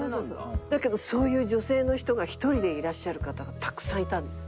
だけどそういう女性の人が１人でいらっしゃる方がたくさんいたんです。